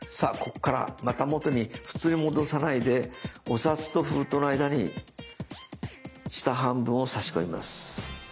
ここからまた元に普通に戻さないでお札と封筒の間に下半分を差し込みます。